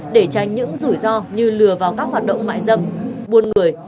để tránh những rủi ro như lừa vào các hoạt động mại dâm buôn người